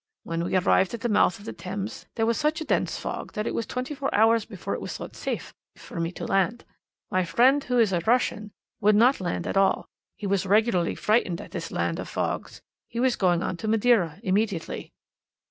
When we arrived at the mouth of the Thames there was such a dense fog that it was twenty four hours before it was thought safe for me to land. My friend, who is a Russian, would not land at all; he was regularly frightened at this land of fogs. He was going on to Madeira immediately.